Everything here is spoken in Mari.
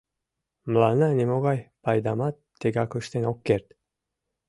Мыланна нимогай пайдамат тегак ыштен ок керт.